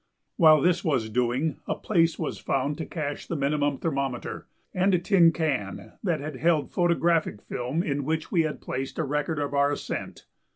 While this was doing a place was found to cache the minimum thermometer and a tin can that had held a photographic film, in which we had placed a record of our ascent.